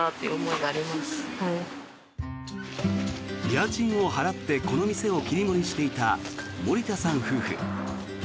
家賃を払ってこの店を切り盛りしていた森田さん夫婦。